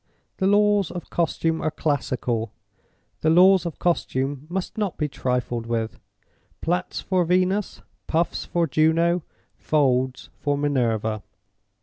The laws of costume are classical; the laws of costume must not be trifled with! Plaits for Venus, puffs for Juno, folds for Minerva.